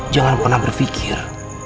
jangan pernah berpikir